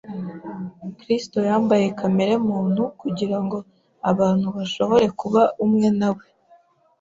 Kristo yambaye kamere muntu kugira ngo abantu bashobore kuba umwe na we